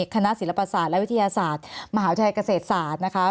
คณะศิลปศาสตร์และวิทยาศาสตร์มหาวิทยาลัยเกษตรศาสตร์นะคะ